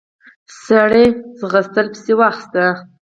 سړي منډه پسې واخيسته.